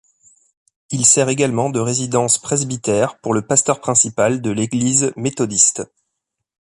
Il sert également de résidence presbytère pour le pasteur principal de l'église méthodiste.